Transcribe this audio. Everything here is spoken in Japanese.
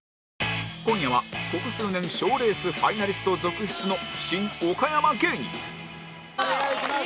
今夜はここ数年賞レースファイナリスト続出のシン・オカヤマ芸人お願いします！